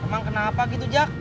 emang kenapa gitu yak